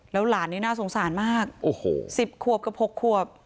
แล้วหลานนี้น่าสงสารมาก๑๐ควบกับ๖ควบ